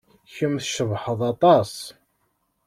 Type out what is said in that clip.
Kemm tcebḥeḍ aṭas.